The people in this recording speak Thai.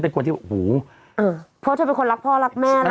เพราะเธอเป็นคนรักพ่อรักแม่